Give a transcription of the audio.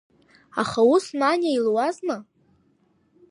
Аха ус Маниа илуазма?